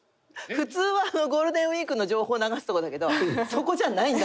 普通はゴールデンウィークの情報を流すとかだけどそこじゃないんだ。